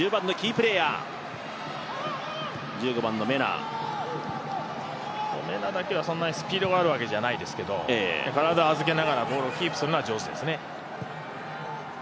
メナだけではそんなにスピードがある方ではないですけど体を預けながらボールをキープするのが上手ですね。